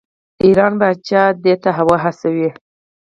ایران پاچا دې ته وهڅوي.